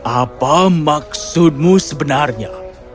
apa maksudmu sebenarnya